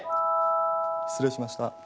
失礼しました。